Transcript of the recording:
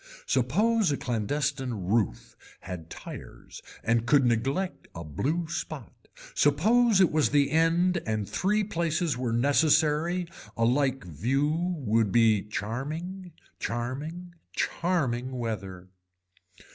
Suppose a clandestine roof had tires and could neglect a blue spot suppose it was the end and three places were necessary a like view would be charming charming, charming weather.